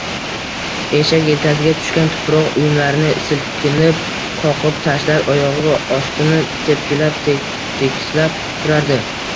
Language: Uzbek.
Eshak yelkasiga tushgan tuproq uyumlarini silkinib qoqib tashlar, oyogʻi ostini tepkilab-tekislab turardi